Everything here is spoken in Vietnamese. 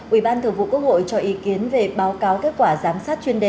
ủy ban thường vụ quốc hội cho ý kiến về báo cáo kết quả giám sát chuyên đề